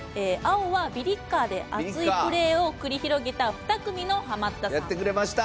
青はビリッカーで熱いプレーを繰り広げた２組のハマったさん。